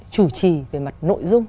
chủ trì về mặt nội dung